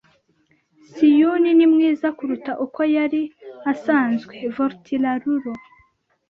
Siu-Yin ni mwiza kuruta uko yari asanzwe. (Vortarulo)